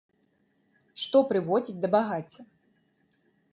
Што прыводзіць да багацця?